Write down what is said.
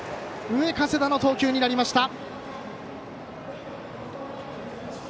上加世田の投球になりました。